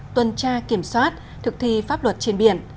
tuần tra kiểm soát thực thi pháp luật trên biển